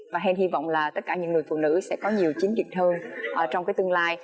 và hèn hy vọng là tất cả những người phụ nữ sẽ có nhiều chính kiện hơn trong cái tương lai